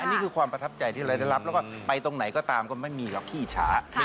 นี่คือความประทับใจที่เราได้รับแล้วก็ไปตรงไหนก็ตามก็ไม่มีหรอกขี้ช้า